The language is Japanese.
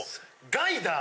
・ガイダー？